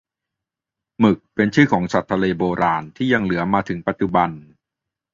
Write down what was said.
หมึก เป็นชื่อของสัตว์ทะเลโบราณ ที่ยังเหลือมาถึงปัจจุบัน